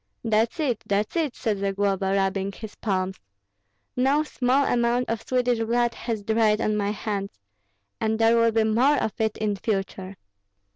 "That's it, that's it!" said Zagloba, rubbing his palms. "No small amount of Swedish blood has dried on my hands, and there will be more of it in future.